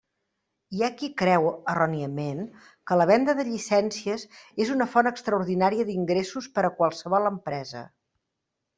Hi ha qui creu, erròniament, que la venda de llicències és una font extraordinària d'ingressos per a qualsevol empresa.